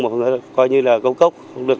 mà không được coi như là công cốc